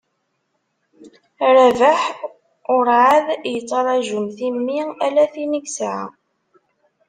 Rabeḥ ur εad yettraju mm timmi, ala tin i yesεa.